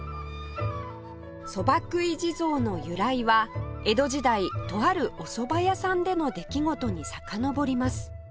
蕎麦喰地蔵の由来は江戸時代とあるおそば屋さんでの出来事にさかのぼります